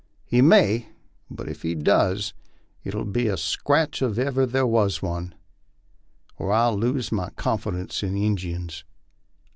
He may; but ef he does, it will be a scratch ef ever there was one, and I'll lose my con fidence in Injuns."